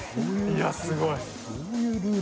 いや、すごい。